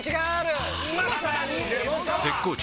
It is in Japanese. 絶好調！！